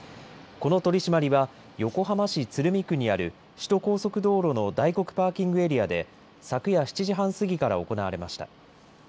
この取締りは、横浜市鶴見区にある、首都高速道路の大黒パーキングエリアで、昨夜７時半過ぎから行われました。